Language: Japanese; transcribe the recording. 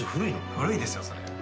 古いですよそれ。